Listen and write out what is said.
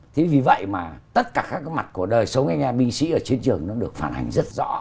thế vì vậy mà tất cả các cái mặt của đời sống anh em binh sĩ ở chiến trường nó được phản hành rất rõ